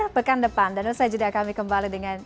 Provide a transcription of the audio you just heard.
di perkan depan dan usai juda kami kembali dengan